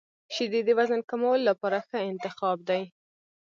• شیدې د وزن کمولو لپاره ښه انتخاب دي.